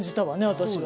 私は。